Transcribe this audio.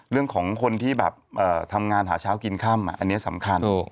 เรื่องของคนที่แบบทำงานหาเช้ากินค่ำอันนี้สำคัญ